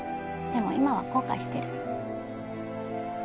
でも今は後悔してる。